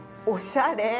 おしゃれ！